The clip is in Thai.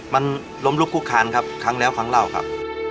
มันล้มลุกคุกคานครับครั้งแล้วครั้งเล่าครับ